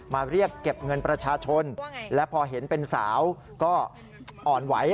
มาเรียกเก็บเงินประชาชนและพอเห็นเป็นสาวก็อ่อนไหว